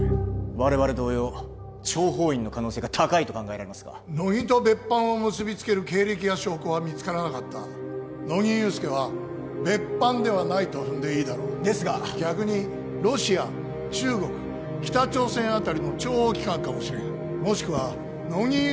我々同様諜報員の可能性が高いと考えられますが乃木と別班を結びつける経歴や証拠は見つからなかった乃木憂助は別班ではないと踏んでいいだろうですが逆にロシア中国北朝鮮あたりの諜報機関かもしれんもしくは乃木憂